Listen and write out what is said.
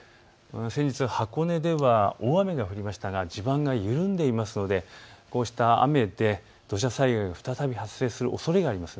先日、箱根では大雨が降りましたが地盤が緩んでいるのでこうした雨で土砂災害が再び発生するおそれがあります。